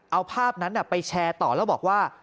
เอาภาพนั้นไปแชร์ต่อแล้วบอกว่า